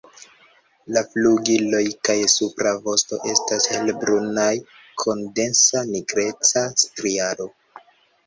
La flugiloj kaj supra vosto estas helbrunaj kun densa nigreca striado.